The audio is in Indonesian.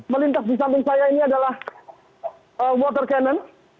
melintas di samping saya ini adalah water cannon